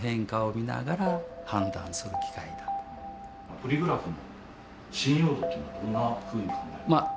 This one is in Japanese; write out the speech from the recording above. ポリグラフの信用度というのはどんなふうに考えてますか？